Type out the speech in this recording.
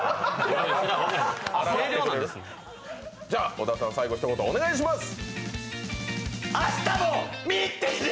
小田さん最後一言お願いします！